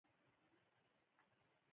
ویلما هم د دوی د شرکت لوحه بیرته اخیستې وه